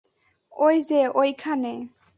ওই যে ওই খানে।